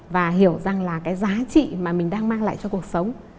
và hiểu rằng là cái giá trị mà mình đang mang lại cho cuộc sống